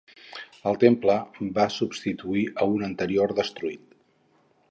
El temple va substituir a un anterior destruït.